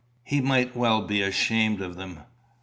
He might well be ashamed of them.